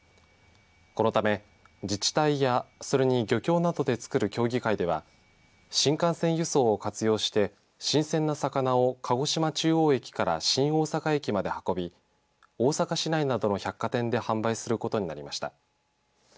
このため、自治体やそれに漁協などで作る協議会では新幹線輸送を活用して新鮮な魚を、鹿児島中央駅から新大阪駅まで運び大阪市内などの百貨店で販売することになりました。